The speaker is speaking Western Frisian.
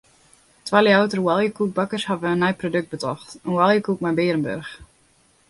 Twa Ljouwerter oaljekoekbakkers hawwe in nij produkt betocht: in oaljekoek mei bearenburch.